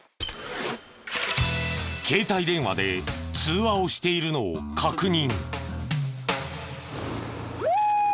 携帯電話で通話をしているのを確認。